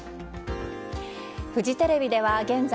フジテレビでは現在